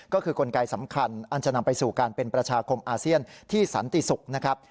ก็คือกลไกสำคัญอันจะนำไปสู่การเป็นประชาคมอาเซียนที่สันติศุกร์นะครับ